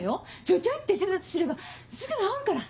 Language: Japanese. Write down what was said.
ちょちょいって手術すればすぐ治るから。